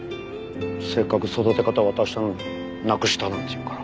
せっかく育て方渡したのになくしたなんて言うから。